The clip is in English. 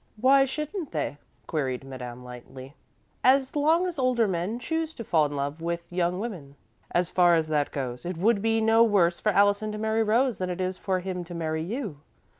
"Why shouldn't they?" queried Madame, lightly, "as long as older men choose to fall in love with young women? As far as that goes, it would be no worse for Allison to marry Rose than it is for him to marry you."